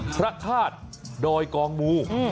พระธาตุดอยกองมู